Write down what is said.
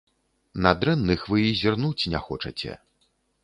На дрэнных вы і зірнуць не хочаце.